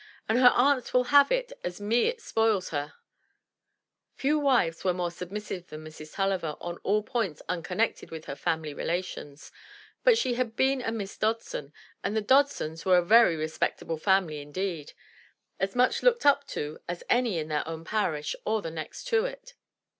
An' her aunts will have it as it's me spoils her." 2IS MY BOOK HOUSE Few wives were more submissive than Mrs. TuUiver on all points unconnected with her family relations; but she had been a Miss Dodson, and the Dodsons were a very respectable family indeed, — as much looked up to as any in their own parish or the next to it.